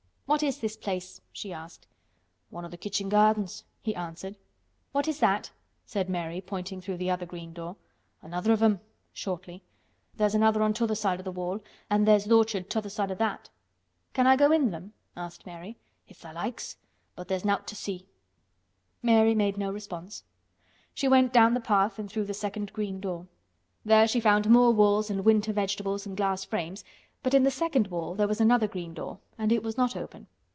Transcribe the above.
"What is this place?" she asked. "One o' th' kitchen gardens," he answered. "What is that?" said Mary, pointing through the other green door. "Another of 'em," shortly. "There's another on t'other side o' th' wall an' there's th' orchard t'other side o' that." "Can I go in them?" asked Mary. "If tha' likes. But there's nowt to see." Mary made no response. She went down the path and through the second green door. There, she found more walls and winter vegetables and glass frames, but in the second wall there was another green door and it was not open.